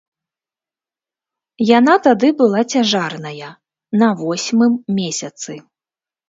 Яна тады была цяжарная, на восьмым месяцы.